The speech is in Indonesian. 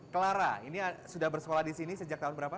clara ini sudah bersekolah di sini sejak tahun berapa